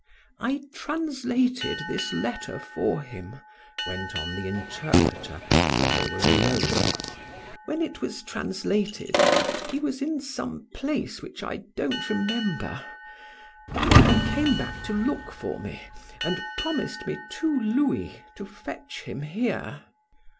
"I translated this letter for him," went on the interpreter, when they were alone. "When it was translated, he was in some place which I don't remember. Then he came back to look for me, and promised me two louis to fetch him here."